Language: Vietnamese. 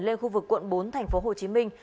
lê khu vực quận bốn thành phố hồ chí minh